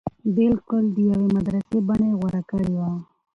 بلکل د يوې مدرسې بنه يې غوره کړې وه.